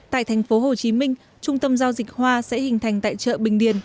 tại tp hcm trung tâm giao dịch hoa sẽ hình thành tại chợ bình điền